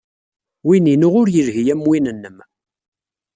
Win-inu ur yelhi am win-nnem.